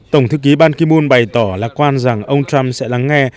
tổng thư ký ban ki moon bày tỏ lạc quan rằng ông trump sẽ lắng nghe